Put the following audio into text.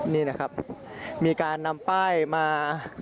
นี่นะครับมีการนำป้ายมา